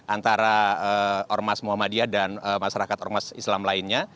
antara ormas muhammadiyah dan masyarakat ormas islam lainnya